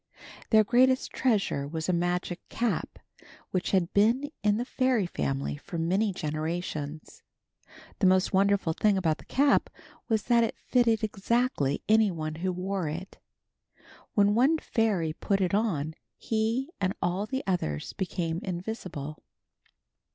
Their greatest treasure was a magic cap which had been in the fairy family for many generations. The most wonderful thing about the cap was that it fitted exactly any one who wore it. When one fairy put it on, he and all the others became invisible.